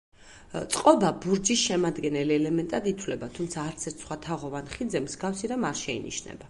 წყობა ბურჯის შემადგენელ ელემენტად ითვლება, თუმცა არცერთ სხვა თაღოვან ხიდზე მსგავსი რამ არ შეინიშნება.